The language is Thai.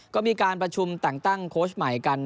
ก็มีการประชุมแต่งตั้งโค้ชใหม่กัน